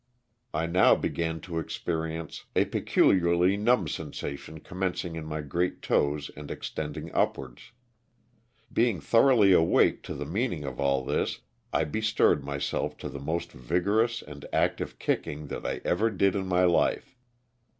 I now began to experi ence a peculiarly numb sensation commencing in my great toes and extending upwards. Being thoroughly awake to the meaning of all this I bestirred myself to the most vigorous and active kicking that I ever did in my life.